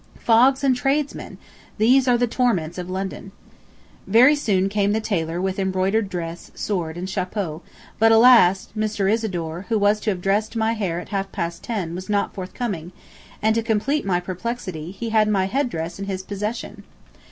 Fogs and tradesmen! these are the torments of London. Very soon came the tailor with embroidered dress, sword, and chapeau, but, alas! Mr. Isidore, who was to have dressed my hair at half past ten was not forthcoming, and to complete my perplexity, he had my head dress in his possession.